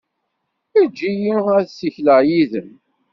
Eǧǧ-iyi ad ssikleɣ yid-m.